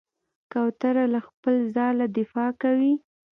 کوتره له خپل ځاله دفاع کوي.